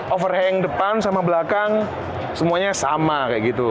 overhayeng depan sama belakang semuanya sama kayak gitu